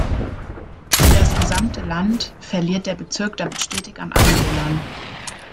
Wie das gesamte Land, verliert der Bezirk damit stetig an Einwohnern.